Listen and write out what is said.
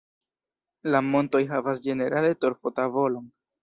La montoj havas ĝenerale torfo-tavolon.